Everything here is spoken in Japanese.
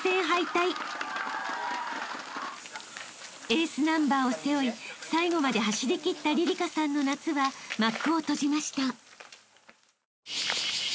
［エースナンバーを背負い最後まで走りきったりりかさんの夏は幕を閉じました］